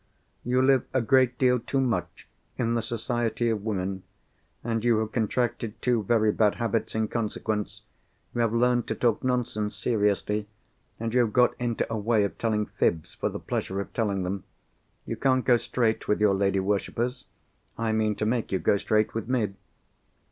"You live a great deal too much in the society of women. And you have contracted two very bad habits in consequence. You have learnt to talk nonsense seriously, and you have got into a way of telling fibs for the pleasure of telling them. You can't go straight with your lady worshippers. I mean to make you go straight with me.